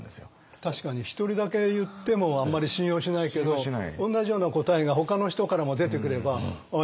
確かに１人だけ言ってもあんまり信用しないけど同じような答えがほかの人からも出てくればああ